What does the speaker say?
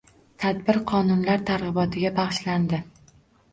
Tadbir qonunlar targ‘ibotiga bag‘ishlandi